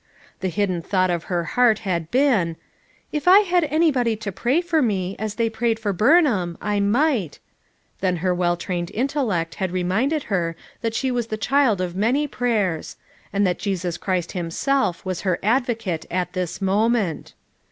The hidden thought of her heart had been : "If I had any body to pray for me as they prayed for Burn ham, I might" — then her well trained intellect had reminded her that she was the child of many prayers, and that Jesus Christ himself was her Advocate at this moment.